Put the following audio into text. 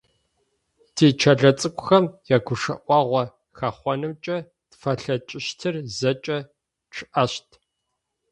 Тикӏэлэцӏыкӏухэм ягушӏуагъо хэхъонымкӏэ тфэлъэкӏыщтыр зэкӏэ тшӏэщт.